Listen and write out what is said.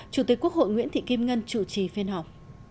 chủ tịch quốc hội nguyễn thị kim ngân chủ trì phiên họp